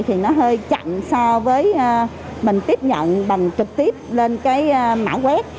thì nó hơi chặn so với mình tiếp nhận bằng trực tiếp lên cái mã web